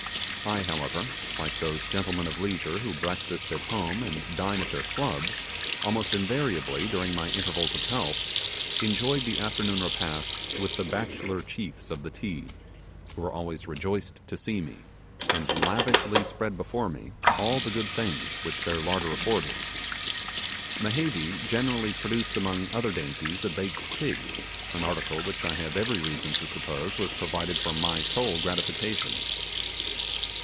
I, however, like those gentlemen of leisure who breakfast at home and dine at their club, almost invariably, during my intervals of health, enjoyed the afternoon repast with the bachelor chiefs of the Ti, who were always rejoiced to see me, and lavishly spread before me all the good things which their larder afforded. Mehevi generally introduced among other dainties a baked pig, an article which I have every reason to suppose was provided for my sole gratification.